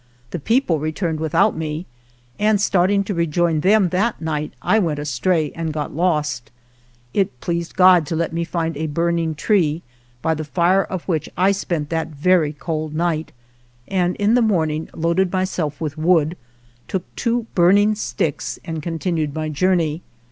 The people returned without me, and starting to rejoin them that night I went astray and got lost. It pleased God to let me find a burning tree, by the fire of which I spent that very cold night, and in the morning loaded myself with wood, took two burning sticks and continued my journey.